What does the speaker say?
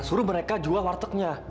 suruh mereka jual wartegnya